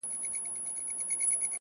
پرمختګ د عمل دوام غواړي!.